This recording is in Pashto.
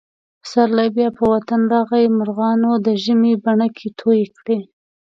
پسرلی بیا په وطن راغی. مرغانو د ژمي بڼکې تویې کړلې.